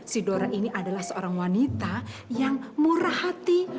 si dora ini adalah seorang wanita yang murah hati